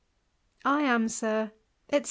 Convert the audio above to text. T am. Sir, etc.